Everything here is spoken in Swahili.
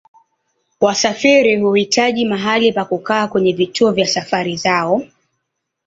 Wasafiri huhitaji mahali pa kukaa kwenye vituo vya safari zao.